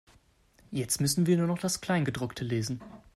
Jetzt müssen wir noch das Kleingedruckte lesen.